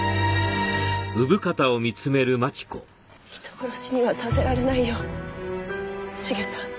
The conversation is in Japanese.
人殺しにはさせられないよシゲさん。